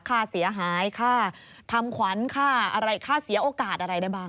ค่าเสียหายค่าทำขวัญค่าอะไรค่าเสียโอกาสอะไรได้บ้าง